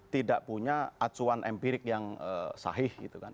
tidak punya acuan empirik yang sahih gitu kan